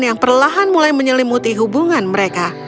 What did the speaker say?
yang perlahan mulai menyelimuti hubungan mereka